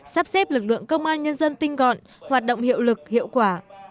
sắp xếp lực lượng công an nhân dân tinh gọn hoạt động hiệu lực hiệu quả